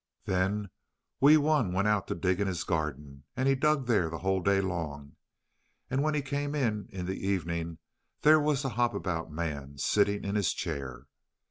Then Wee Wun went out to dig in his garden, and he dug there the whole day long, and when he came in in the evening, there was the Hop about Man sitting in his chair.